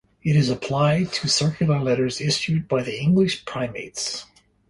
It is applied to circular letters issued by the English primates.